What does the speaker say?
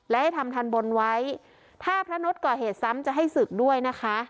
และให้ทำทันบนไว้ถ้าพระนุษย์ก่อเหตุซ้ำจะให้ศึกด้วยนะคะ